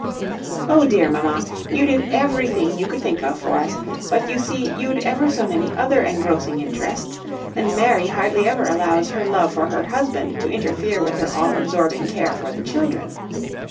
"Oh dear, mamma, you did everything you could think of for us; but you see you'd ever so many other engrossing interests, and Mary hardly ever allows her love for her husband to interfere with her all absorbing care for the children.